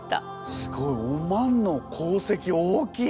すごいお万の功績大きい！